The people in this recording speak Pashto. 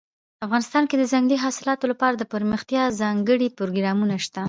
افغانستان کې د ځنګلي حاصلاتو لپاره دپرمختیا ځانګړي پروګرامونه شته.